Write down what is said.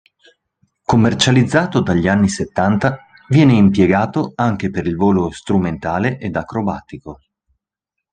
Commercializzato dagli anni settanta viene impiegato anche per il volo strumentale ed acrobatico.